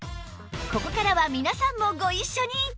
ここからは皆さんもご一緒に！